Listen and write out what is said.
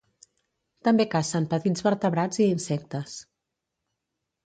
També cacen petits vertebrats i insectes.